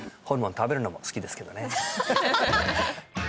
ホルモン食べるのも好きですけどね